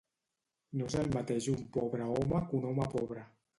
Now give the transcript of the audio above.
No és el mateix un pobre home que un home pobre.